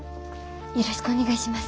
よろしくお願いします。